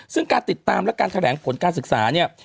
ซึ่งการติดตามและการแถลงผลการศึกษาเนี่ย